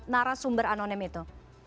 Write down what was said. narasumber anonim itu